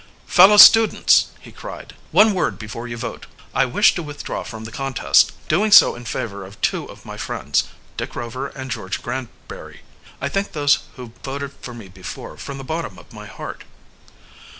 "Fellow students!" he cried. "One word before you vote. I wish to withdraw from the contest, doing so in favor of two of my friends, Dick Rover and George Granbury. I thank those who voted for me before from the bottom of my heart."